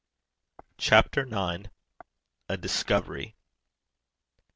CHAPTER IX. A DISCOVERY.